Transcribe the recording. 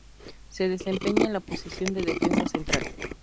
Se desempeña en la posición de defensa central.